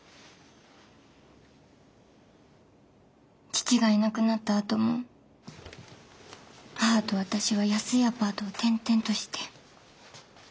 父がいなくなったあとも母と私は安いアパートを転々として。